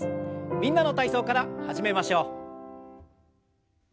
「みんなの体操」から始めましょう。